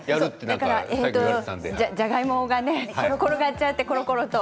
じゃがいもが転がっちゃってころころと。